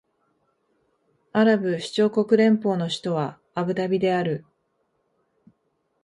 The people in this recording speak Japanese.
アラブ首長国連邦の首都はアブダビである